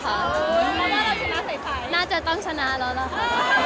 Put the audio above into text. ตอนนี้ก็น่าจะต้องชนะเขาล่ะค่ะ